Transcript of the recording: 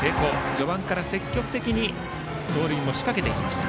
序盤から積極的に盗塁も仕掛けていきました。